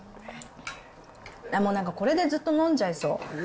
なんかもう、これでずっと飲んじゃいそう。